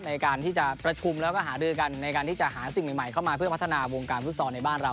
ในการที่จะประชุมแล้วก็หารือกันในการที่จะหาสิ่งใหม่เข้ามาเพื่อพัฒนาวงการฟุตซอลในบ้านเรา